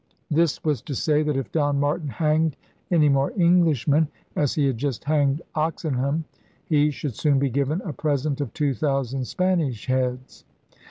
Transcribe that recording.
This was to say that if Don Martin hanged any more Englishmen, as he had just hanged Oxenham, he should soon be given a present of two thousand Spanish heads.